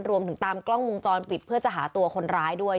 รวมถึงตามกล้องวงจรปิดเพื่อจะหาตัวคนร้ายด้วย